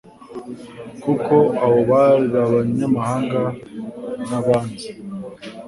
kuko abo bantu bar' abanyamahanga n'abanzi.